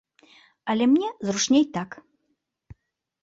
Але мне зручней так!